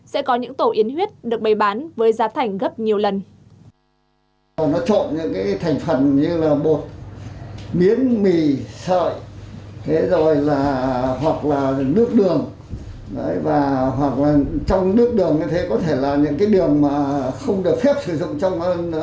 sẽ có những tổ yến huyết được bày bán với giá thành gấp nhiều lần